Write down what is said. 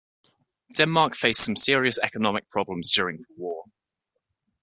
Denmark faced some serious economic problems during the war.